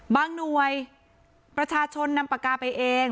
หน่วยประชาชนนำปากกาไปเอง